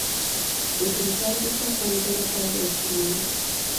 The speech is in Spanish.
Y cruzar dicha frontera para los humanos.